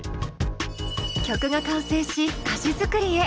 曲が完成し歌詞作りへ。